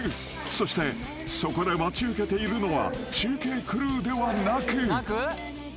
［そしてそこで待ち受けているのは中継クルーではなく］